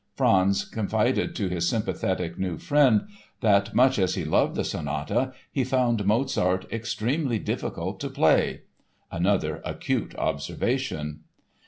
Franz confided to his sympathetic new friend that, much as he loved the sonata, he found Mozart "extremely difficult to play" (another acute observation!).